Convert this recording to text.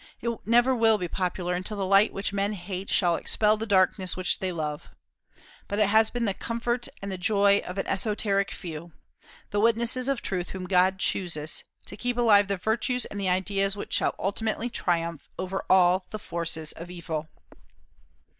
It never will be popular until the light which men hate shall expel the darkness which they love. But it has been the comfort and the joy of an esoteric few, the witnesses of truth whom God chooses, to keep alive the virtues and the ideas which shall ultimately triumph over all the forces of evil.